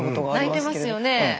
泣いてますよねえ。